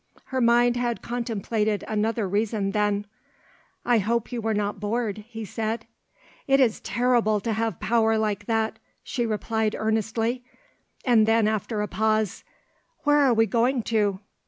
Her mind had contemplated another reason, then. "I hope you were not bored," he said. "It is terrible to have power like that," she replied earnestly; and then after a pause, "Where are we going to?"